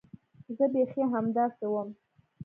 زه بيخي همداسې وم.